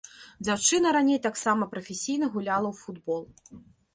Дзяўчына раней таксама прафесійна гуляла ў футбол.